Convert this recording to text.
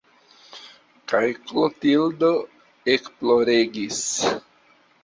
Kaj Klotildo ekploregis.